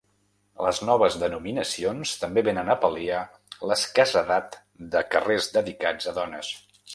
Les noves denominacions també venen a pal·liar l’escassedat de carrers dedicats a dones.